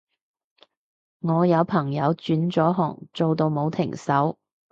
我有朋友轉咗行做到冇停手